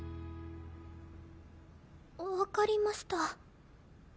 わかりました。